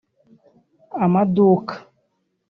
amaduka